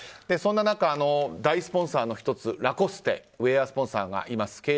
そんな中、大スポンサーの１つラコステウェアスポンサーがいます。